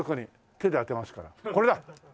手で当てますからこれだ！